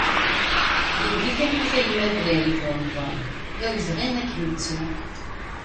Gen di talwit a gma Belaïd Uremḍan, d awezɣi ad k-nettu!